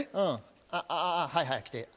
あっはいはい来て。